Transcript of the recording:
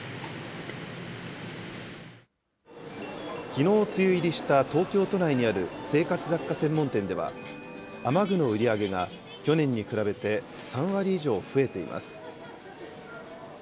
きのう梅雨入りした東京都内にある生活雑貨専門店では、雨具の売り上げが去年に比べて３割以上増えています。